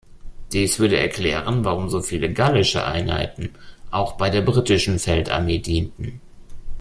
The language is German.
Dies würde erklären warum so viele gallische Einheiten auch bei der britischen Feldarmee dienten.